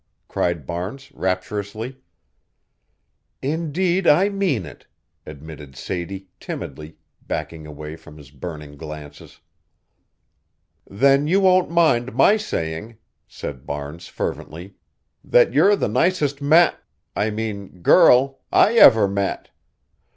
cried Barnes, rapturously. "Indeed I mean it," admitted Sadie, timidly, backing away from his burning glances. "Then you won't mind my saying," said Barnes fervently, "that you're the nicest ma' I mean girl I ever met.